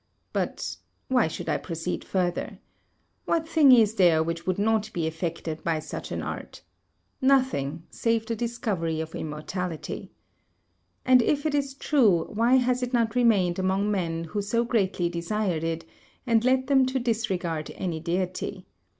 But why should I proceed further? What thing is there which could not be effected by such an art? Nothing, save the discovery of immortality. And if it is true, why has it not remained among men who so greatly desired it, and led them to disregard any deity?